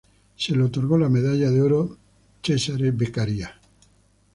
Se le otorgó la medalla de oro Cesare Beccaria.